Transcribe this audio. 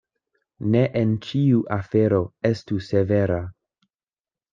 Ne en ĉiu afero estu severa.